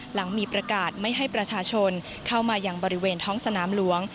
หลังมีประกาศไม่ให้ประชาชนเข้ามายังบริเวณท้องสนามหลวง